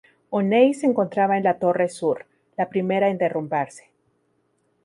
O'Neill se encontraba en la Torre Sur, la primera en derrumbarse.